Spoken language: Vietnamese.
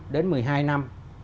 đến một mươi hai năm